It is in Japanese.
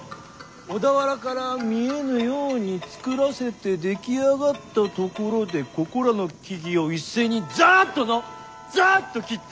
小田原から見えぬように造らせて出来上がったところでここらの木々を一斉にザッとのザッと切った。